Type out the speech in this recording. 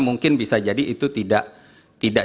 mungkin bisa jadi itu tidak